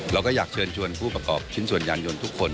เราก็อยากเชิญชวนผู้ประกอบชิ้นส่วนยานยนต์ทุกคน